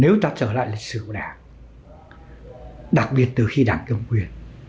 nếu ta trở lại lịch sử của đảng đặc biệt từ khi đảng cầm quyền